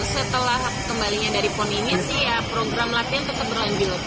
setelah kembalinya dari pon ini sih ya program latihan tetap berlanjut